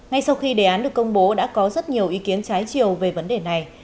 ngay sau khi đề án được công bố đã có rất nhiều ý kiến trái chiều về vấn đề này